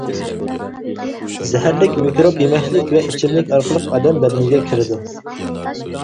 زەھەرلىك مىكروب يېمەكلىك ۋە ئىچىملىك ئارقىلىق ئادەم بەدىنىگە كىرىدۇ.